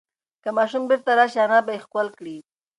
که ماشوم بیرته راشي، انا به یې ښکل کړي.